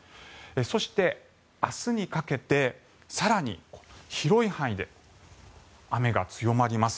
そして、明日にかけて更に広い範囲で雨が強まります。